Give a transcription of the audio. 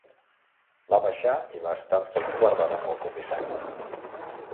Va baixar i va estar-se un quart d'hora amb el Comissari.